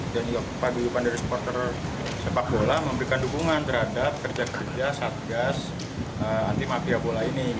dan dihukum dari supporter sepak bola memberikan dukungan terhadap kerja kerja satgas anti mafia bola ini